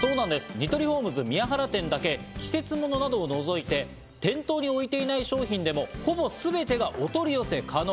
ニトリホームズ宮原店だけ、季節物などを除いて、店頭に置いていない商品でもほぼすべてがお取り寄せ可能。